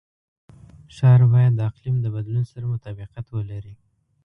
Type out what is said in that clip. ښار باید د اقلیم د بدلون سره مطابقت ولري.